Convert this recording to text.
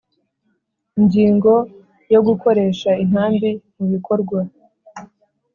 Ingingo yo Gukoresha intambi mu bikorwa